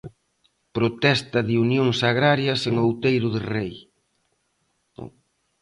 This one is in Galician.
Protesta de Unións Agrarias en Outeiro de Rei.